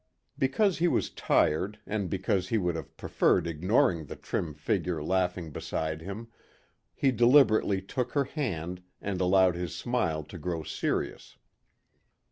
Because he was tired and because he would have preferred ignoring the trim figure laughing beside him, he deliberately took her hand and allowed his smile to grow serious.